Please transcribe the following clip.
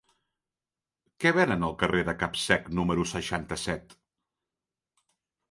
Què venen al carrer de Capsec número seixanta-set?